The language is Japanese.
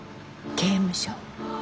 刑務所。